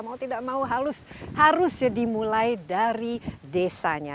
mau tidak mau harus dimulai dari desanya